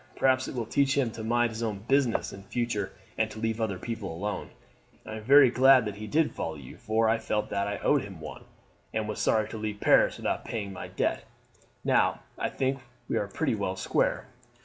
Perhaps it will teach him to mind his own business in future and to leave other people alone. I am very glad that he did follow you; for I felt that I owed him one, and was sorry to leave Paris without paying my debt. Now I think we are pretty well square."